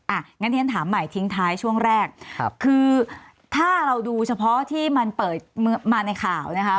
อ่ะงั้นที่ฉันถามใหม่ทิ้งท้ายช่วงแรกครับคือถ้าเราดูเฉพาะที่มันเปิดมาในข่าวนะคะ